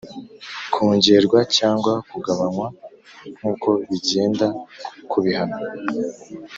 Kongerwa cyangwa kugabanywa nk’uko bigenda ku bihano